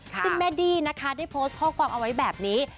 ซึ่งแม่ดี้นะคะได้โพสต์ข้อความเอาไว้แบบนี้